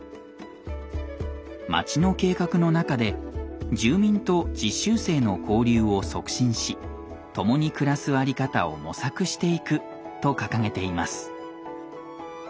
町の計画の中で住民と実習生の交流を促進し共に暮らす在り方を模索していくと掲げています。